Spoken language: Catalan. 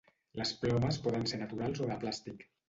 Les plomes poden ser naturals o de plàstic.